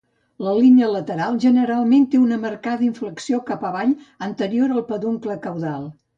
La línia lateral generalment té una marcada inflexió cap avall anterior al peduncle caudal.